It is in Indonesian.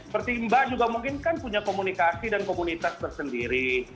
berarti mbak juga mungkin kan punya komunikasi dan komunitas tersendiri